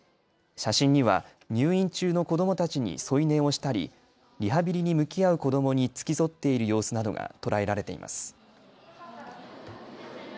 写真には入院中の子どもたちに添い寝をしたり、リハビリに向き合う子どもに付き添っている様子などが捉えられています。